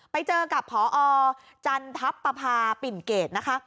ไปเจอกับพอจันทัพปภาปิ่นเกตนะคะ